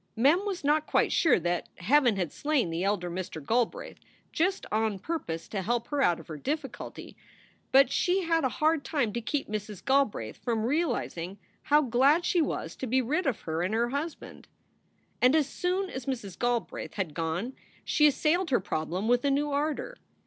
Mem was not quite sure that Heaven had slain the elder Mr. Galbraith just on purpose to help her out of her diffi culty, but she had a hard time to keep Mrs. Galbraith from realizing how glad she was to be rid of her and her husband. And as soon as Mrs. Galbraith had gone, she assailed her problem with a new ardor.